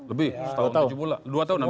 sudah lebih dari setahun dua tahun sampai